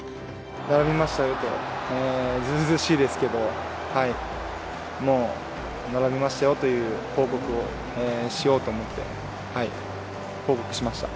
並びましたよとずうずうしいですけどもう並びましたよという報告をしようと思って報告しました。